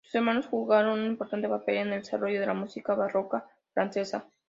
Sus hermanos jugaron un importante papel en el desarrollo de la música barroca francesa.